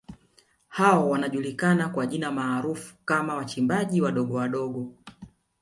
Hao wanajulikana kwa jina maarufu kama wachimbaji wadogo wadogo